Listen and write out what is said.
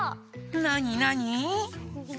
なになに？